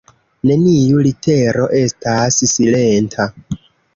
Neniu litero estas silenta.